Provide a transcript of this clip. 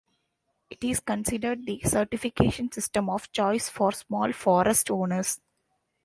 It is considered the certification system of choice for small forest owners.